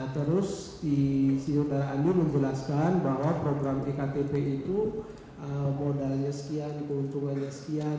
terus di si saudara andi menjelaskan bahwa program ektp itu modalnya sekian keuntungannya sekian